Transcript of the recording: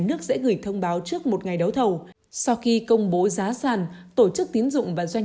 nước sẽ gửi thông báo trước một ngày đấu thầu sau khi công bố giá sản tổ chức tín dụng và doanh